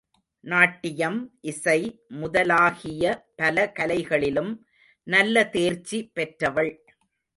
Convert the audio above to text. நாட்டியம், இசை முதலாகிய பல கலைகளிலும் நல்ல தேர்ச்சி பெற்றவள்.